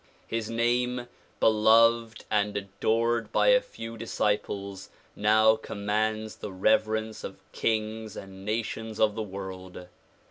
His name beloved and adored by a few disciples now commands the reverence of kings and nations of the world.